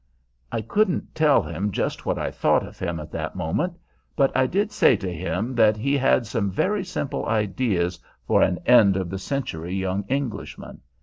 I couldn't tell him just what I thought of him at that moment, but I did say to him that he had some very simple ideas for an end of the century young Englishman.